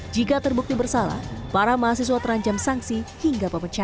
jika terbukti bersalah para mahasiswa terancam sanksi hingga pemecahan